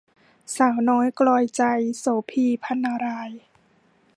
สาวน้อยกลอยใจ - โสภี พรรณราย